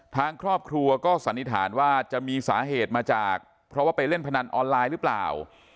ทางครอบครัวก็สันนิษฐานว่าจะมีสาเหตุมาจากเพราะว่าไปเล่นพนันออนไลน์หรือเปล่า